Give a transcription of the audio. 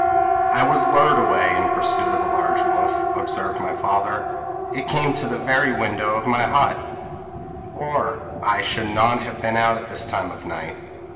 p> "'I was lured away in pursuit of a large white wolf,' observed my father; 'it came to the very window of my hut, or I should not have been out at this time of night.'